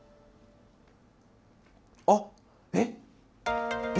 あっ、えっ。